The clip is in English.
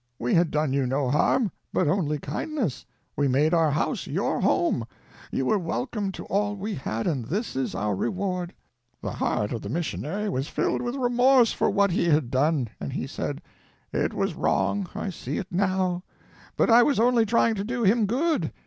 We had done you no harm, but only kindness; we made our house your home, you were welcome to all we had, and this is our reward_." The heart of the missionary was filled with remorse for what he had done, and he said: "_It was wrong—I see it now; but I was only trying to do him good.